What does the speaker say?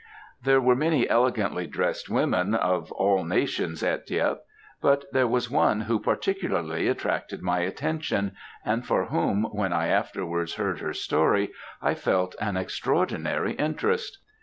There were many elegantly drest women, of all nations, at Dieppe, but there was one who particularly attracted my attention, and for whom, when I afterwards heard her story, I felt an extraordinary interest.